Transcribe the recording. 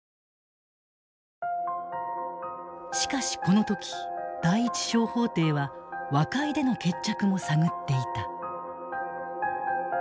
しかしこの時第一小法廷は和解での決着も探っていた。